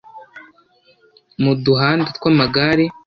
muduhanda tw’amagare